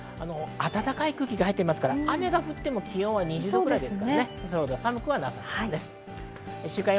暖かい空気が入っていますから雨が降っても気温は２０度くらいです。